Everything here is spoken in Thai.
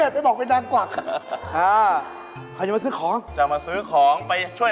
โปรดติดตามตอนต่อไป